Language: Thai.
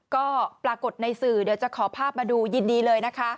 ก็ปรากฏในสื่อเดี๋ยวจะขอภาพมาดูยินดีเลยนะคะ